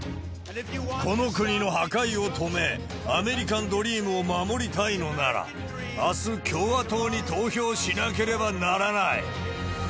この国の破壊を止め、アメリカンドリームを守りたいのなら、あす、共和党に投票しなければならない。